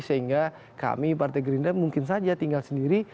sehingga kami partai gerindra mungkin saja tinggal sendiri